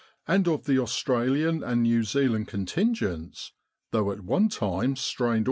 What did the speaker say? and of the Australian and New Zea land contingents, though at one time strained almost, 35 With the R.